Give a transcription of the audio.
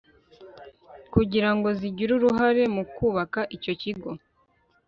kugira ngo zigire uruhare mu kubaka icyo kigo